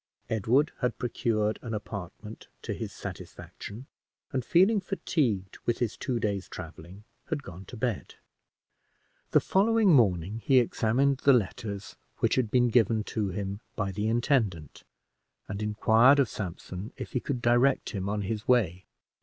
Edward had procured an apartment to his satisfaction, and, feeling fatigued with his two days' traveling, had gone to bed. The following morning he examined the letters which had been given to him by the intendant, and inquired of Sampson if he could direct him on his way.